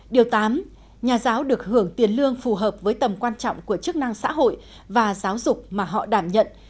điều tám nhà giáo được hưởng tiền lương phù hợp với tầm quan trọng của chức năng xã hội và giáo dục mà họ đảm nhận